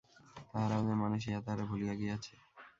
তাহারাও যে মানুষ, ইহা তাহারা ভুলিয়া গিয়াছে।